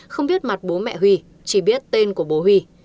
không biết mặt bố mẹ huy chỉ biết tên của bố huy